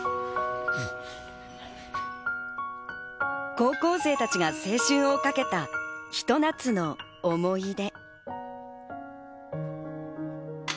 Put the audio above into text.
高校生たちが青春をかけた、ひと夏の思い出。